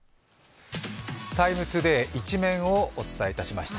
「ＴＩＭＥＴＯＤＡＹ」１面をお伝えいたしました。